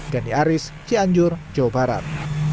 gani aris cianjur jawa barat